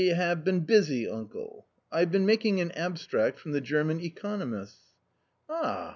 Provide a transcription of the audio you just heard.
have been busy, uncle ; I have been making an abstract from the German economists." "Ah!